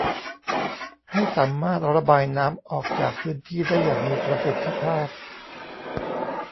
ให้สามารถระบายน้ำออกจากพื้นที่ได้อย่างมีประสิทธิภาพ